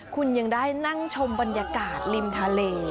คุณยังได้นั่งชมบรรยากาศริมทะเล